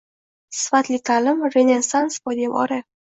Sifatli ta’lim – renessans poydevori